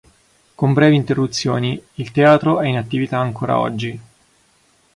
Con brevi interruzioni, il teatro è in attività ancora oggi.